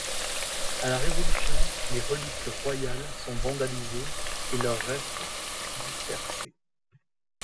À la Révolution, les reliques royales sont vandalisées et leurs restes dispersés.